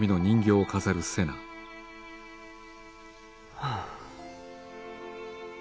はあ。